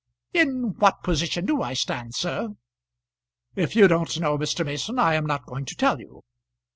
"In what position do I stand, sir?" "If you don't know, Mr. Mason, I am not going to tell you.